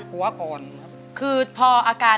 สวัสดีครับ